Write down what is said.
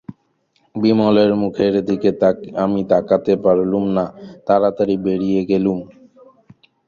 বিমলের মুখের দিকে আমি তাকাতে পারলুম না, তাড়াতাড়ি বেরিয়ে গেলুম।